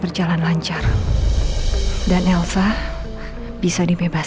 pertama kali ini aku adalah topik di aw imb primas